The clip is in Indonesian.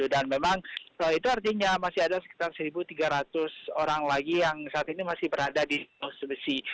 dan memang itu artinya masih ada sekitar satu tiga ratus orang lagi yang saat ini masih berada di pulau sebesi